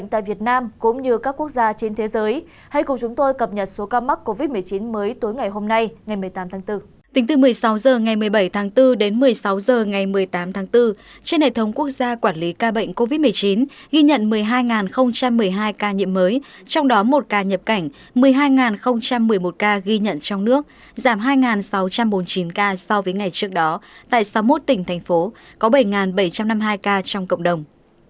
tính từ một mươi sáu h ngày một mươi bảy tháng bốn đến một mươi sáu h ngày một mươi tám tháng bốn trên hệ thống quốc gia quản lý ca bệnh covid một mươi chín ghi nhận một mươi hai một mươi hai ca nhiễm mới trong đó một ca nhập cảnh một mươi hai một mươi một ca ghi nhận trong nước giảm hai sáu trăm bốn mươi chín ca so với ngày trước đó tại sáu mươi một tỉnh thành phố có bảy bảy trăm năm mươi hai ca trong cộng đồng